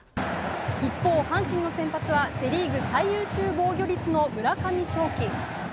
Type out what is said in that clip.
一方、阪神の先発はセ・リーグ最優秀防御率の村上頌樹。